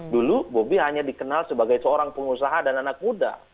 dulu bobi hanya dikenal sebagai seorang pengusaha dan anak muda